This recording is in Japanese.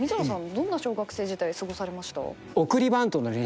どんな小学生時代過ごされました？